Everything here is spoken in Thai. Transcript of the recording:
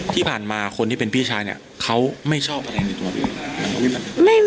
ที่ผ่านมาคนที่เป็นพี่ชายเนี่ยเขาไม่ชอบอะไรในตัวพี่